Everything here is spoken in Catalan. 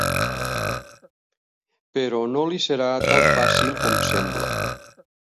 Però no li serà tan fàcil com sembla.